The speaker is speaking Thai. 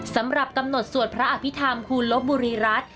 สำหรับกำหนดสวดพระอภิษฐรรมภูลลบบุรีรัฐ